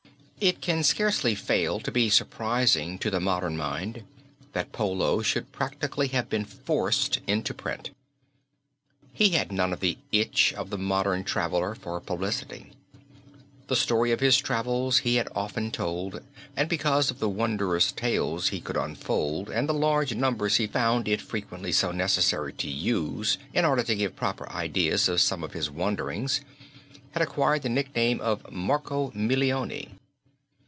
It can scarcely fail to be surprising to the modern mind that Polo should practically have been forced into print. He had none of the itch of the modern traveler for publicity. The story of his travels he had often told and because of the wondrous tales he could unfold and the large numbers he found it frequently so necessary to use in order to give proper ideas of some of his wanderings, had acquired the nickname of Marco Millioni.